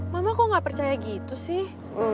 mama kok nggak percaya gitu sih